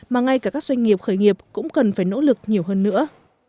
mà ngay cả các doanh nghiệp khởi nghiệp cũng cần phải nỗ lực nhiều hơn nữa